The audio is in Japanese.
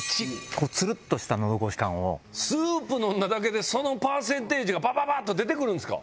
こうつるっとした喉越し感をスープ飲んだだけでそのパーセンテージがバババッと出てくるんすか？